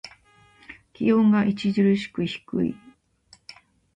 気温が著しく低い。